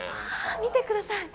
見てください。